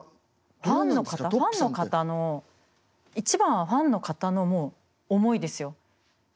ファンの方の一番はファンの方の思いですよ。